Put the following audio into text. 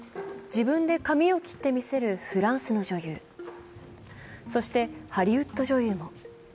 自分で髪を切ってみせるフランスの女優、そしてハリウッド女優も。